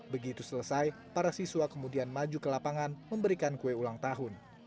begitu selesai para siswa kemudian maju ke lapangan memberikan kue ulang tahun